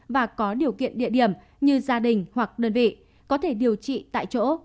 và có điều kiện địa điểm như gia đình hoặc đơn vị có thể điều trị tại chỗ